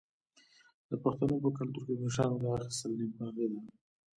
د پښتنو په کلتور کې د مشرانو دعا اخیستل نیکمرغي ده.